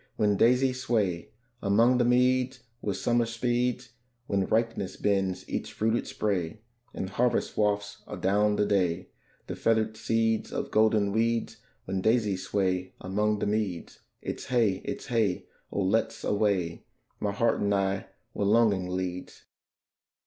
when daisies sway Among the meads where Summer speeds; When ripeness bends each fruited spray, And harvest wafts adown the day The feathered seeds of golden weeds: When daisies sway among the meads, It's hey, it's hey! oh, let's away, My heart and I, where longing leads.